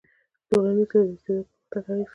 ټولنیز ځای د استعداد په پرمختګ اغېز کوي.